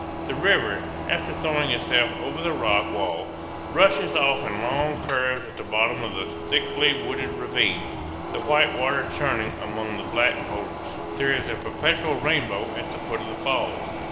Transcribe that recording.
The river, after throwing itself over the rock wall, rushes off in long curves at the bottom of a thickly wooded ravine, the white water churning among the black boulders. There is a perpetual rainbow at the foot of the falls.